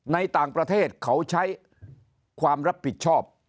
ในต่างประเทศเขาใช้ความรับผิดชอบ